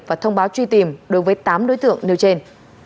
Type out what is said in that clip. và thông báo truy tìm đối với tám đối tượng nêu trên